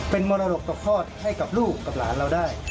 เป็นมรดกต่อคลอดให้กับลูกกับหลานเราได้